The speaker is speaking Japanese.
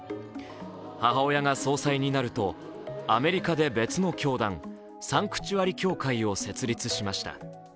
母親が総裁になるとアメリカで別の教団サンクチュアリ教会を設立しました。